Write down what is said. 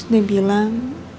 terus dia bilang